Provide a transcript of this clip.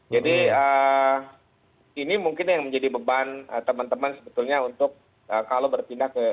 jadi ini mungkin yang menjadi beban teman teman sebetulnya untuk kalau bertindak ke